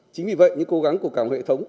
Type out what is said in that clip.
chính vì vậy những cố gắng của cả hệ thống